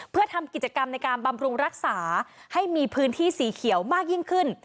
เพื่อทำกิจกรรมในการบำรุงรักษาให้มีพื้นที่สีเขียวมากยิ่งขึ้น